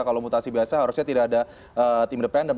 kalau mutasi biasa harusnya tidak ada tim independen